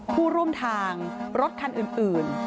ผู้ร่วมทางรถคันอื่น